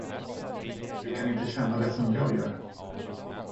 Du kan inte känna det, som jag gör.